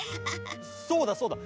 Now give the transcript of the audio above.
そうだそうだ！